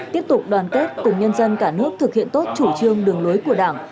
tiếp tục đoàn kết cùng nhân dân cả nước thực hiện tốt chủ trương đường lối của đảng